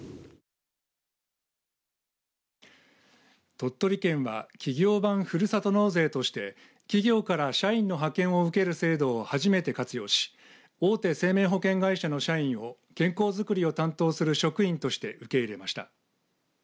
鳥取県は企業版ふるさと納税として企業から社員の派遣を受ける制度を初めて活用し大手生命保険会社の社員を健康づくりを担当する職員として受け入れました。